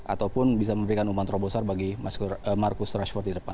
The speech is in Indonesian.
ataupun bisa memberikan umpan terobosan bagi marcus rashford di depan